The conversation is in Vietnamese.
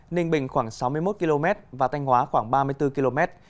ninh bình khoảng sáu mươi một km và thanh hóa khoảng ba mươi bốn km